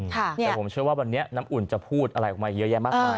แต่ผมเชื่อว่าวันนี้น้ำอุ่นจะพูดอะไรออกมาเยอะแยะมากมาย